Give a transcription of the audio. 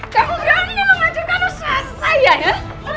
kamu berani mengajarkan usaha saya ya